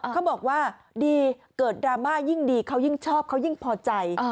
เขาบอกว่าดีเกิดดราม่ายิ่งดีเขายิ่งชอบเขายิ่งพอใจ